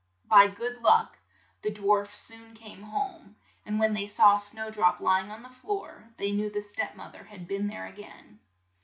By good luck, the dwarfs soon came home ; and when they saw Snow drop ly ing on the floor, they knew the step moth er had been there a gain.